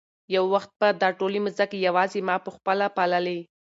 یو وخت به دا ټولې مځکې یوازې ما په خپله پاللې.